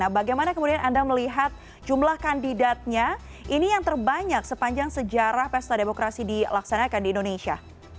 bagaimana kemudian anda melihat jumlah kandidatnya ini yang terbanyak sepanjang sejarah pesta demokrasi dilaksanakan di indonesia